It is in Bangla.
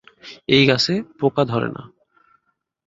এই গাছে পোকা ধরে না।